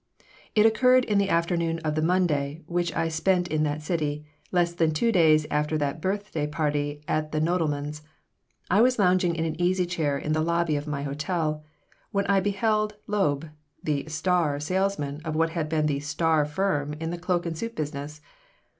It occurred in the afternoon of the Monday which I spent in that city, less than two days after that birthday party at the Nodelmans'. I was lounging in an easy chair in the lobby of my hotel, when I beheld Loeb, the "star" salesman of what had been the "star" firm in the cloak and suit business.